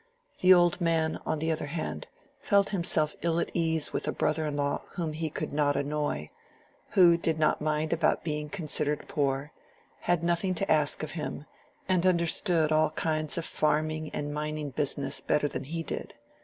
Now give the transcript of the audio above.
The old man, on the other hand, felt himself ill at ease with a brother in law whom he could not annoy, who did not mind about being considered poor, had nothing to ask of him, and understood all kinds of farming and mining business better than he did.